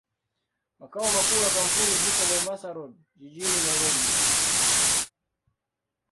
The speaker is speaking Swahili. Makao makuu ya kampuni ziko Mombasa Road, jijini Nairobi.